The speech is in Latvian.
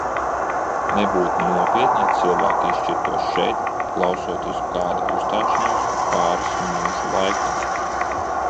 Nebūtu nopietni, ja cilvēki izšķirtos šeit, klausoties kāda uzstāšanos, pāris minūšu laikā.